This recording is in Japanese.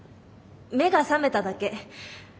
目が覚めただけ。